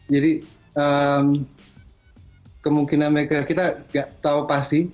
jadi kemungkinan mereka kita tidak tahu pasti